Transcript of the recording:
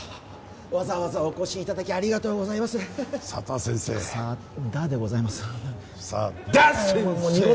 わざわざお越しいただきありがとうございます佐田先生「佐田」でございます「佐田！」